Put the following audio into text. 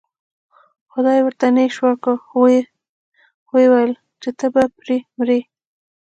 خدای ورته نیش ورکړ خو و یې ویل چې ته به پرې مرې.